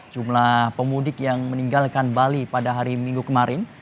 jumlah pemudik yang meninggalkan bali pada hari minggu kemarin